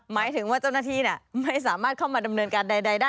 หมายถึงว่าเจ้าหน้าที่ไม่สามารถเข้ามาดำเนินการใดได้